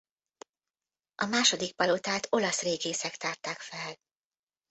A második palotát olasz régészek tárták fel.